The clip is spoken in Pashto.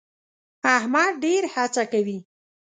احمد ډېر هڅه کوي.